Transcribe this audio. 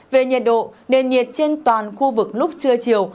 về nhiệt độ nền nhiệt trên toàn khu vực lúc trưa chiều